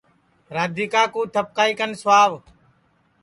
رادھیکا کُو تھپکائی کن سُاو